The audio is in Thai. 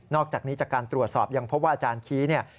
อกจากนี้จากการตรวจสอบยังพบว่าอาจารย์คี้เนี่ย